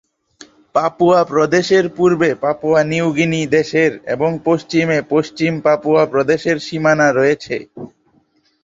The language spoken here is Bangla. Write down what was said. পাপুয়া প্রদেশের পূর্বে পাপুয়া নিউ গিনি দেশের এবং পশ্চিমে পশ্চিম পাপুয়া প্রদেশের সীমানা রয়েছে।